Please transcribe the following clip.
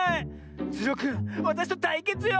ズルオくんわたしとたいけつよ！